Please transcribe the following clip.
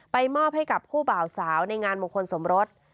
มอบให้กับผู้บ่าวสาวในงานมงคลสมรส